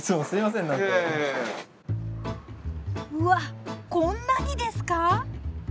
うわこんなにですか？